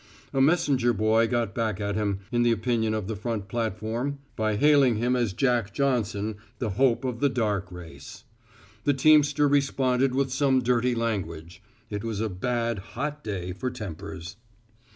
A messenger boy got back at him, in the opinion of the front platform, by hailing him as Jack Johnson, the hope of the dark race. The teamster responded with some dirty language. It was a bad, hot day for tempers.